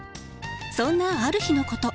そんなある日のこと。